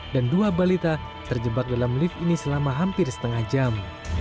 dan dua balita terjebak dalam lift ini selama hampir setengah jam